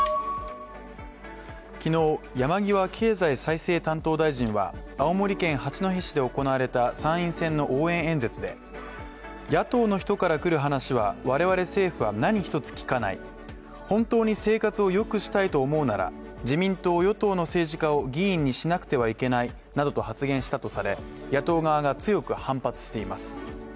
昨日、山際経済再生担当大臣は青森県八戸市で行われた参院選の応援演説で野党の人からくる話は我々政府は何一つ聞かない、本当に生活をよくしたいと思うなら自民党・与党の政治家を議員にしなくてはいけないなどと発言したとされ野党側が強く反発しています。